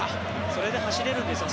それで走れるんですよ。